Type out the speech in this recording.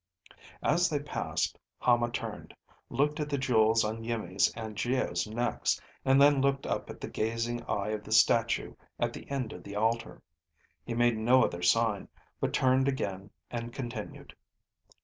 As they passed, Hama turned, looked at the jewels on Iimmi's and Geo's necks, and then looked up at the gazing eye of the statue at the end of the altar. He made no other sign, but turned again and continued.